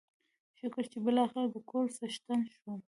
شکر چې بلاخره دکور څښتن شوم.